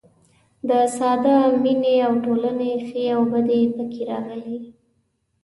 د ساده مینې او ټولنې ښې او بدې پکې راغلي.